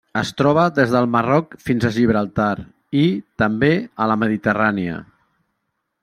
Es troba des del Marroc fins a Gibraltar i, també, a la Mediterrània.